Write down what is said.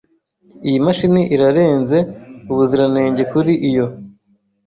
Iyi mashini irarenze ubuziranenge kuri iyo.